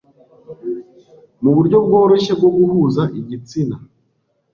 muburyo bworoshye bwo Guhuza Igitsina